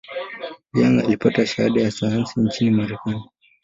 Young alipata shahada ya sayansi nchini Marekani.